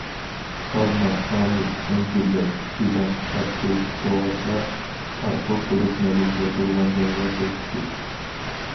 ئالما، ئامۇت، ئەنجۈرلەر، چىلان، شاپتۇل، توغاچلار، تارتۇق بولۇپ مەلىكە تۇرغان جايغا توشۇپتۇ.